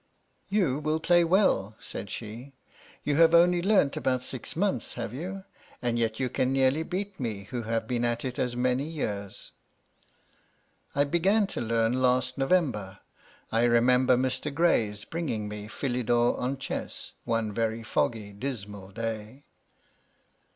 " You will play well," said she. " You have only learnt about six months, have you ? And yet you can nearly beat me, who have been at it as many years." "I began to learn last November. I remember Mr. Gray's bringing me ' Philidor on Chess,' one very foggy, dismal day."